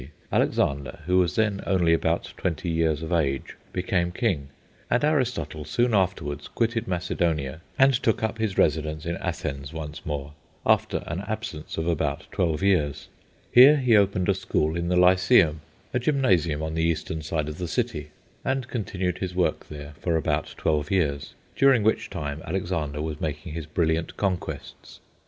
Alexander, who was then only about twenty years of age, became king, and Aristotle soon afterwards quitted Macedonia and took up his residence in Athens once more, after an absence of about twelve years. Here he opened a school in the Lycæum, a gymnasium on the eastern side of the city, and continued his work there for about twelve years, during which time Alexander was making his brilliant conquests.